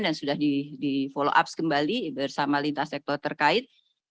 dan sudah di follow up kembali bersama lintas sektor terkait